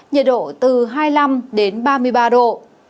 nhiệt độ từ hai mươi năm đến ba mươi ba độ